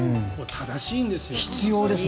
正しいんですよ。